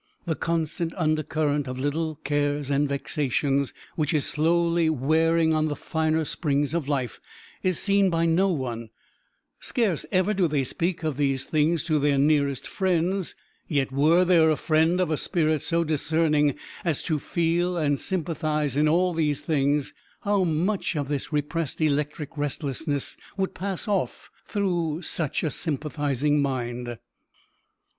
The constant undercurrent of little cares and vexations, which is slowly wearing on the finer springs of life, is seen by no one; scarce ever do they speak of these things to their nearest friends. Yet were there a friend of a spirit so discerning as to feel and sympathize in all these things, how much of this repressed electric restlessness would pass off through such a sympathizing mind.